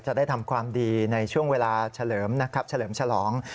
จะได้ทำความดีในช่วงเวลาเฉลิมนะครับเฉลิมฉลอง